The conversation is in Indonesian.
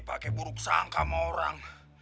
pakai buruk sangka sama orang